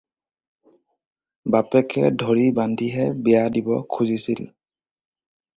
বাপেকে ধৰি বান্ধিহে বিয়া দিব খুজিছিল।